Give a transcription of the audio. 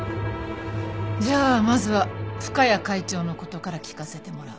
じゃあまずは深谷会長の事から聞かせてもらう。